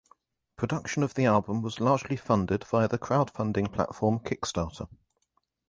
Production of the album was largely funded via the crowdfunding platform Kickstarter.